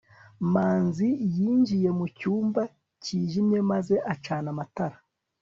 manzi yinjiye mu cyumba cyijimye maze acana amatara